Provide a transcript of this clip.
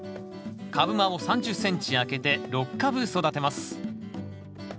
株間を３０ｃｍ空けて６株育てます。